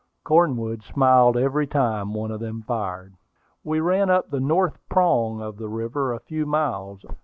Cornwood smiled every time one of them fired. We ran up the "North Prong" of the river a few miles.